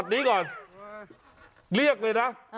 แบบนี้คือแบบนี้คือแบบนี้คือ